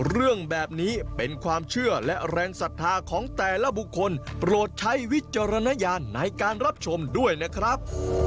เรื่องแบบนี้เป็นความเชื่อและแรงศรัทธาของแต่ละบุคคลโปรดใช้วิจารณญาณในการรับชมด้วยนะครับ